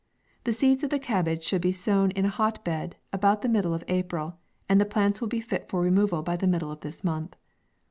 The seeds of this cabbage should be sown in a hot bed, about the middle of A pril, and the plants will be fit for removal by the middle of this month.